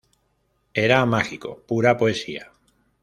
Era mágico, pura poesía.